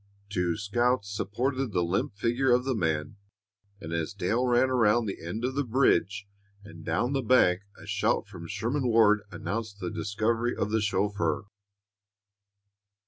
Two scouts supported the limp figure of the man, and as Dale ran around the end of the bridge and down the bank a shout from Sherman Ward announced the discovery of the chauffeur.